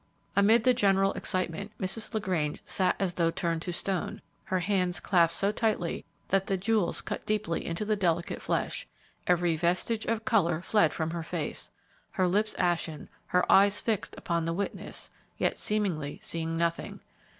Amid the general excitement, Mrs. LaGrange sat as though turned to stone, her hands clasped so tightly that the jewels cut deeply into the delicate flesh, every vestige of color fled from her face, her lips ashen, her eyes fixed upon the witness, yet seemingly seeing nothing.